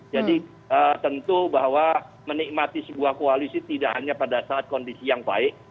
jadi tentu bahwa menikmati sebuah koalisi tidak hanya pada saat kondisi yang baik